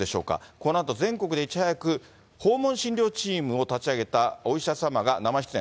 このあと全国でいち早く訪問診療チームを立ち上げたお医者様が生出演。